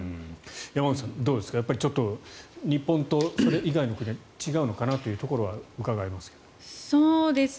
山口さん、どうですかやっぱりちょっと日本とそれ以外の国では違うのかなというところはうかがえますが。